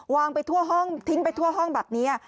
ไปทั่วห้องทิ้งไปทั่วห้องแบบนี้